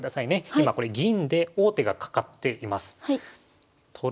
今これ銀で王手がかかっています。